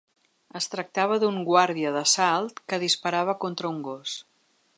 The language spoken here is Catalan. Es tractava d'un guàrdia d'assalt que disparava contra un gos